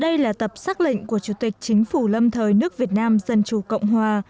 đây là tập xác lệnh của chủ tịch chính phủ lâm thời nước việt nam dân chủ cộng hòa